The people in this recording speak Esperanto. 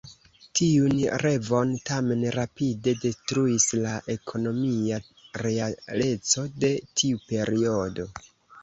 Tiun revon tamen rapide detruis la ekonomia realeco de tiu periodo.